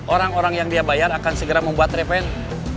orang orang yang dia bayar akan segera membuat revenue